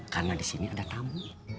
karena disini ada tamu